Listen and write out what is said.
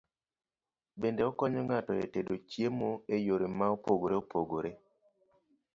Bende okonyo ng'ato e tedo chiemo e yore ma opogore opogore.